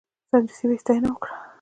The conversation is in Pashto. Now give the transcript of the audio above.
سمدستي به یې ستاینه وکړه.